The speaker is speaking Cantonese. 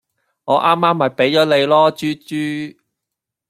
我啱啱咪畀咗你囉豬豬